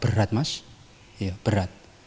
berat mas berat